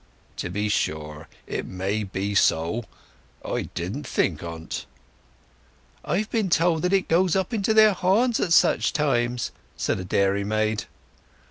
"To be sure. It may be so. I didn't think o't." "I've been told that it goes up into their horns at such times," said a dairymaid.